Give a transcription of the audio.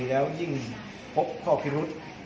และยิ่งพบข้อผิดรุต